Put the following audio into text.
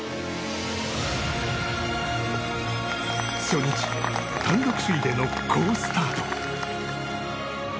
初日、単独首位での好スタート。